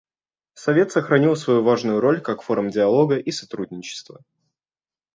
Совет сохранил свою важную роль как форум диалога и сотрудничества.